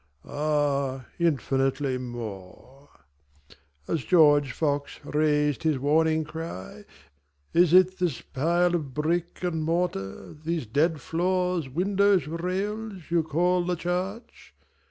Ah more, infinitely more; (As George Fox rais'd his warning cry, "Is it this pile of brick and mortar, these dead floors, windows, rails, you call the church?